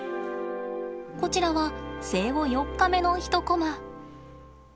こちらは生後４日目の一コマ。